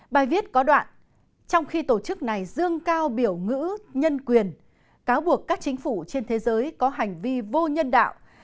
bài viết có đoạn trong khi tổ chức này dương cao biểu ngữ nhân quyền cáo buộc các chính phủ trên thế giới có hành vi vô nhân đạo